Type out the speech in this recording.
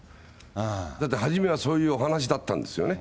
だって、初めはそういうお話だったんですよね。